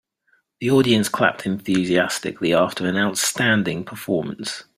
The audience clapped enthusiastically after an outstanding performance.